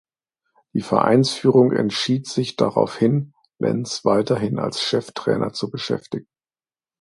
Die Vereinsführung entschied sich daraufhin, Lenz weiterhin als Cheftrainer zu beschäftigen.